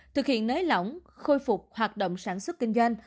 thực hiện nới lỏng khôi phục hoạt động sản xuất kinh doanh